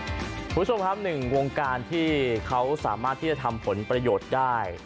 คุณผู้ชมครับหนึ่งวงการที่เขาสามารถที่จะทำผลประโยชน์ได้